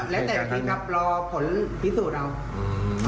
แล้วแต่พี่กำลังรอผลพิสูจน์เรา